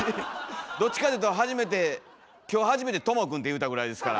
どっちかというと初めて今日初めて「とも君」て言うたぐらいですから。